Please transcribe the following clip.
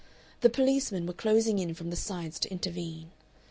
The policemen were closing in from the sides to intervene.